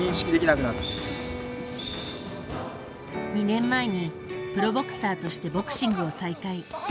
２年前にプロボクサーとしてボクシングを再開。